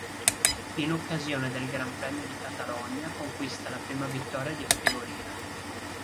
In occasione del Gran Premio di Catalogna conquista la prima vittoria di categoria.